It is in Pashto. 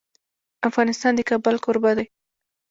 افغانستان د کابل کوربه دی.